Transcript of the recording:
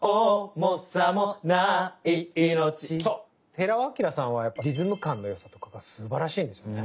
寺尾聰さんはリズム感の良さとかがすばらしいんですよね。